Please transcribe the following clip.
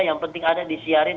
yang penting ada disiarin